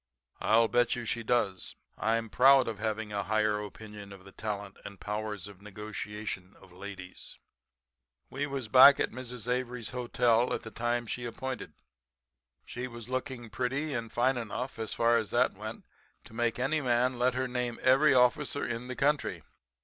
'I'll bet you she does. I'm proud of having a higher opinion of the talent and the powers of negotiation of ladies.' "We was back at Mrs. Avery's hotel at the time she appointed. She was looking pretty and fine enough, as far as that went, to make any man let her name every officer in the country.